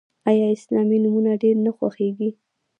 آیا اسلامي نومونه ډیر نه خوښیږي؟